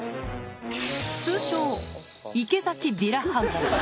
通称、池崎ヴィラハウス。